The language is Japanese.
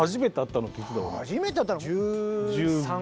初めて会ったの１３年。